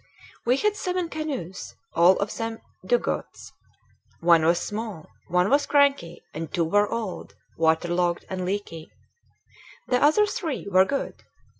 We had seven canoes, all of them dugouts. One was small, one was cranky, and two were old, waterlogged, and leaky. The other three were good.